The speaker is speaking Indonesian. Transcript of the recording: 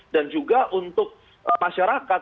dan juga untuk masyarakat